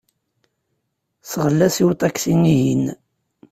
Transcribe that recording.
Sɣel-as i uṭaksi-ihin.